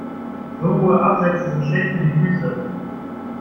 So hohe Absätze sind schlecht für die Füße.